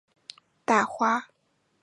大花裂瓜为葫芦科裂瓜属下的一个种。